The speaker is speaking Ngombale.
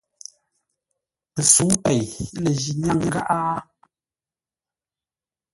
Pəsə̌u pêi lə ji nyáŋ gháʼá?